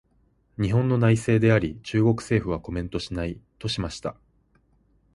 「日本の内政であり、中国政府はコメントしない」としました。